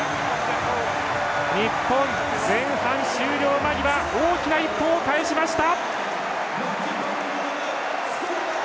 日本、前半終了間際大きな１本を返しました！